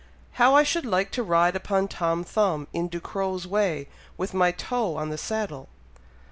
"How I should like to ride upon Tom Thumb, in Ducrow's way, with my toe on the saddle!"